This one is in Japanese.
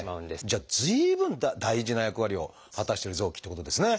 じゃあ随分大事な役割を果たしてる臓器っていうことですね。